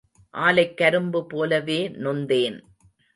ஆலைக் கரும்பு போலவே நொந்தேன்.